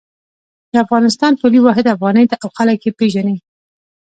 د افغانستان پولي واحد افغانۍ ده او خلک یی پیژني